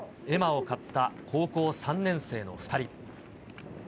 絵馬を買った高校３年生の２人。